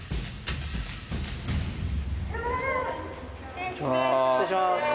失礼します。